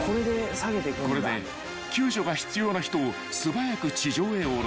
［これで救助が必要な人を素早く地上へ下ろす］